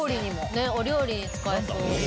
ねっお料理に使えそう。